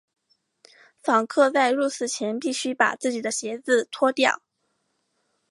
访客在入寺前必须把自己的鞋子脱掉。